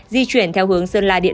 di chuyển theo hướng sơn la